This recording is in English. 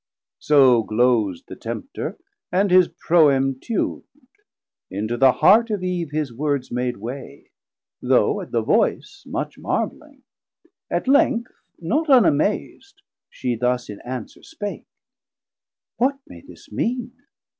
So gloz'd the Tempter, and his Proem tun'd; Into the Heart of Eve his words made way, 550 Though at the voice much marveling; at length Not unamaz'd she thus in answer spake. What may this mean?